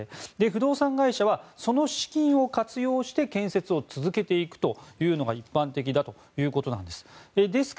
不動産会社はその資金を活用して建設を続けていくというのが一般的だということなんです。